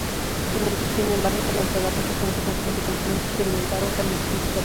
Sin embargo, con el tiempo, tanto la planta como su campamento experimentaron cambios significativos.